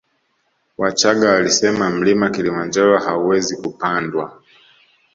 Wachagga walisema mlima kilimanjaro hauwezi kupandwa